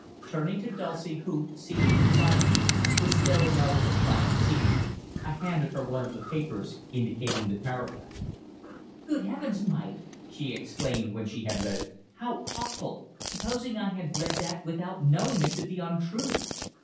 Turning to Dulcie, who, seated beside me, was staring out at the flying scenery, I handed her one of the papers, indicating the paragraph. "Good heavens, Mike!" she exclaimed when she had read it. "How awful! Supposing I had read that without knowing it to be untrue!"